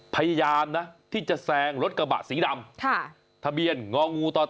พยายามนะที่จะแซงรถกระบะสีดำทะเบียนงองูต่อ